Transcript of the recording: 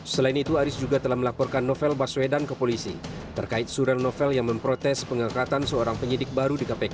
selain itu aris juga telah melaporkan novel baswedan ke polisi terkait surel novel yang memprotes pengangkatan seorang penyidik baru di kpk